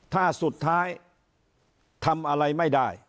ถ้าสุดท้ายทำอะไรไม่ได้